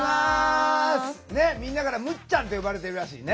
みんなからむっちゃんって呼ばれてるらしいね。